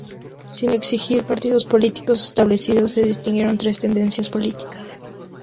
Sin existir partidos políticos establecidos, se distinguieron tres tendencias políticas.